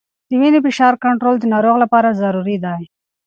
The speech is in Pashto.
د وینې فشار کنټرول د ناروغ لپاره ضروري دی.